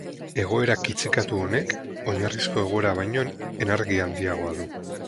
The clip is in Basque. Egoera kitzikatu honek oinarrizko egoera baino energia handiago du.